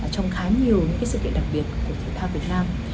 trong khá nhiều những sự kiện đặc biệt của thể thao việt nam